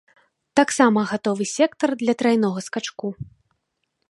Таксама гатовы сектар для трайнога скачку.